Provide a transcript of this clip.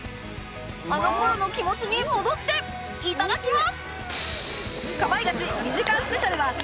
あの頃の気持ちに戻っていただきます！